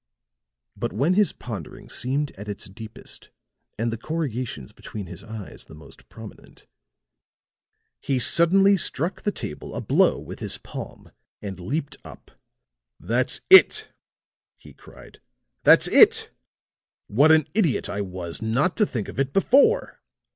But, when his pondering seemed at its deepest and the corrugations between his eyes the most prominent, he suddenly struck the table a blow with his palm and leaped up. "That's it," he cried, "that's it! What an idiot I was not to think of it before."